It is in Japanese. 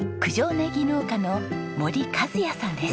ねぎ農家の森和哉さんです。